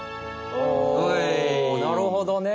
おなるほどね！